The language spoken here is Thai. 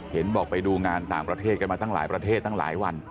เห็นบอกไปดูงานต่างประเทศกันมาตั้งหลายประเทศตั้งหลายวัน